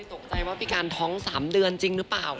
ตกใจว่าพี่การท้อง๓เดือนจริงหรือเปล่า